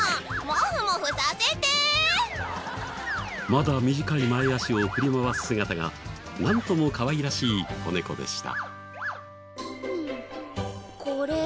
まだ短い前足を振り回す姿がなんともかわいらしい子猫でした。